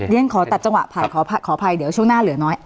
เรียนขอตัดจังหวะภายเดี๋ยวช่วงหน้าเหลือน้อย